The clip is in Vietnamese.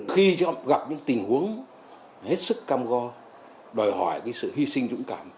khi gặp những tình huống hết sức cam go đòi hỏi sự hy sinh dũng cảm